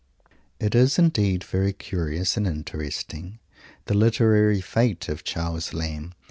It is, indeed, very curious and interesting, the literary fate of Charles Lamb.